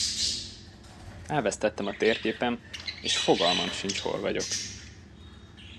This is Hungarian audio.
Elvesztettem a térképem, és fogalmam sincs hol vagyok.